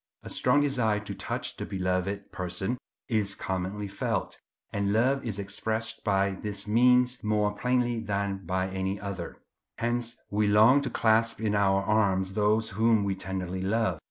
A strong desire to touch the beloved person is commonly felt; and love is expressed by this means more plainly than by any other. Hence we long to clasp in our arms those whom we tenderly love.